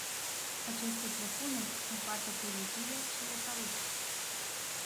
Aceste propuneri sunt foarte pozitive și le salut.